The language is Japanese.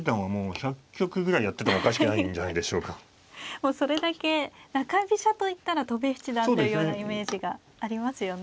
もうそれだけ中飛車といったら戸辺七段というようなイメージがありますよね。